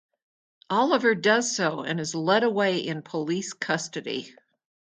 Oliver does so, and is led away in police custody.